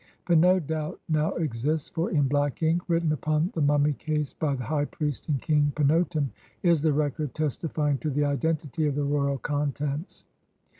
But no doubt now exists, for "in black ink, written upon the mummy case by the high priest and Kling Pinotem, is the record testifjdng to the identity of the royal contents."